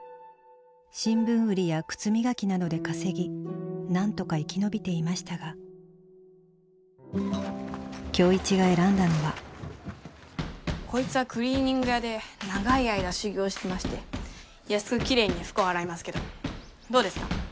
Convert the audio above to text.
新聞売りや靴磨きなどで稼ぎなんとか生き延びていましたが今日一が選んだのはこいつはクリーニング屋で長い間修業してまして安くきれいに服を洗いますけどどうですか？